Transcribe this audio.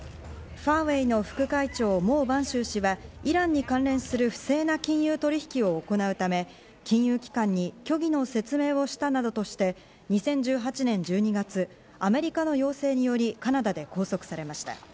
ファーウェイの副会長、モウ・バンシュウ氏はイランに関連する不正な金融取引を行うため金融機関に虚偽の説明をしたなどとして、２０１８年１２月、アメリカの要請によりカナダで拘束されました。